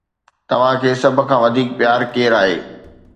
توهان کي سڀ کان وڌيڪ پيار ڪير آهي؟